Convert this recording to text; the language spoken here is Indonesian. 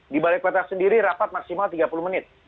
di balai kota sendiri rapat maksimal tiga puluh menit